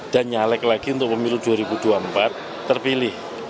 dan nyalek lagi untuk pemilu dua ribu dua puluh empat terpilih